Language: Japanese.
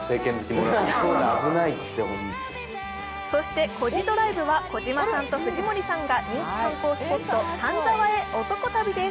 そして、「コジドライブ」は児嶋さんと藤森さんが人気観光スポット、丹沢へ男旅です。